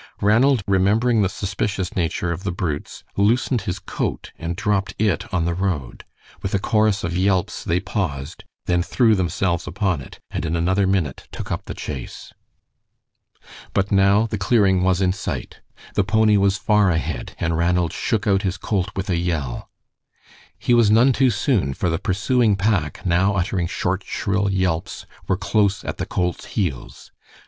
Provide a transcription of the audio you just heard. Ranald, remembering the suspicious nature of the brutes, loosened his coat and dropped it on the road; with a chorus of yelps they paused, then threw themselves upon it, and in another minute took up the chase. But now the clearing was in sight. The pony was far ahead, and Ranald shook out his colt with a yell. He was none too soon, for the pursuing pack, now uttering short, shrill yelps, were close at the colt's heels.